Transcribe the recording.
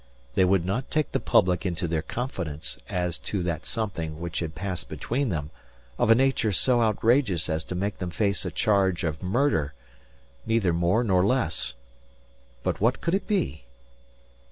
They would not take the public into their confidence as to that something which had passed between them of a nature so outrageous as to make them face a charge of murder neither more nor less. But what could it be?